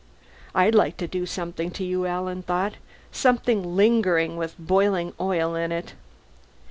I'd like to do something to you, Alan thought. Something lingering, with boiling oil in it.